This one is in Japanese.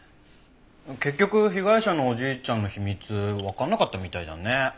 結局被害者のおじいちゃんの秘密わかんなかったみたいだね。